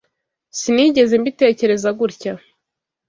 Sinigeze mbitekereza gutya.